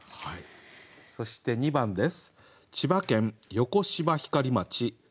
そして２番です。